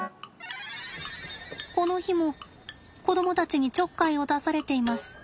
この日も子供たちにちょっかいを出されています。